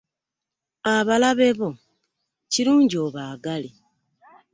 Abalabe bo kirungi obaagale.